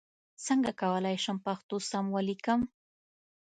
څنګه کولای شم پښتو سم ولیکم ؟